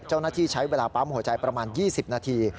เจ้าหน้าที่ใช้เวลาปั๊มหัวใจประมาณ๒๐นาที